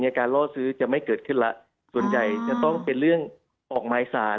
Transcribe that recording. ในการล่อซื้อจะไม่เกิดขึ้นละส่วนใจจะต้องเป็นเรื่องออกไม้ศาล